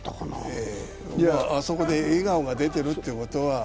あそこで笑顔が出ているということは。